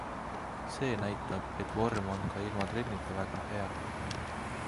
See näitab, et vorm on ka ilma trennita väga hea.